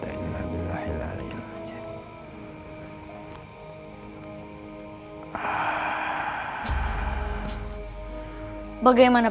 dimana mbah hardika sekarang